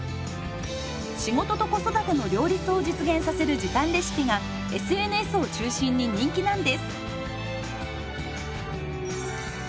仕事と子育ての両立を実現させる時短レシピがＳＮＳを中心に人気なんです。